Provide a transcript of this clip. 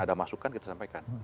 ada masukan kita sampaikan